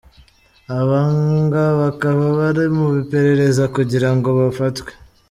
Aha ngo bakaba bari mu iperereza kugira ngo bafatwe.